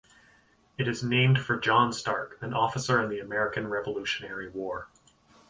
It is named for John Stark, an officer in the American Revolutionary War.